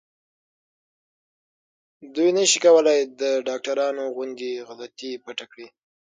دوی نشي کولای د ډاکټرانو غوندې غلطي پټه کړي.